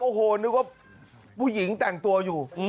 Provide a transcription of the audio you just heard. โอ้โหนึกว่าผู้หญิงแต่งตัวอยู่